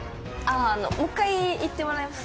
あのもう一回言ってもらえます？